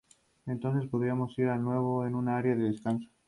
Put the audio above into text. Entonces, podremos ir de nuevo a un área de descanso.